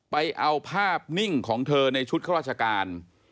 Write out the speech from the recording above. ไปเอาภาพนิ่งของเธอในชุดข้าราชการ